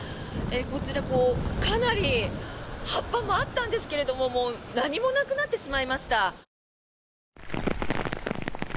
こちら、かなり葉っぱもあったんですけれどももう何もなくなってしまいました。